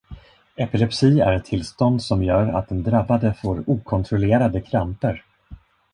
Epilepsi är ett tillstånd som gör att den drabbade får okontrollerade kramper.